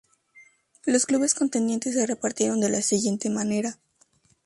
Los clubes contendientes se repartieron de la siguiente manera.